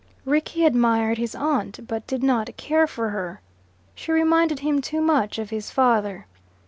Rickie admired his aunt, but did not care for her. She reminded him too much of his father.